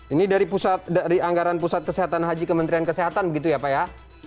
ini dari anggaran pusat kesehatan haji kementerian kesehatan begitu ya pak ya